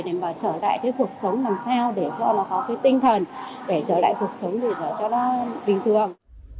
để trở lại với cuộc sống